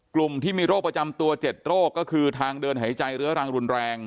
กลุ่มที่มีโรคประจำตัว๗โรคก็คือทางเดินหายใจเรื้อรังรุนแรง